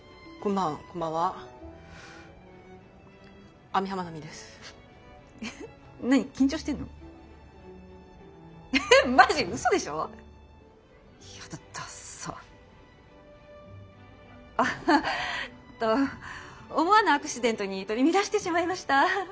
あっっと思わぬアクシデントに取り乱してしまいました。